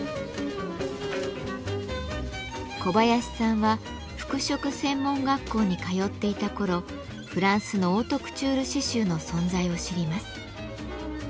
小林さんは服飾専門学校に通っていた頃フランスのオートクチュール刺繍の存在を知ります。